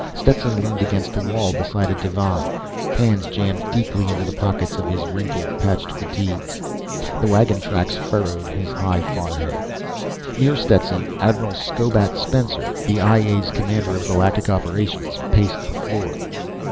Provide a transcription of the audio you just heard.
Stetson leaned against the wall beside a divan, hands jammed deeply into the pockets of his wrinkled, patched fatigues. The wagon tracks furrowed his high forehead. Near Stetson, Admiral Sobat Spencer, the I A's Commander of Galactic Operations, paced the floor.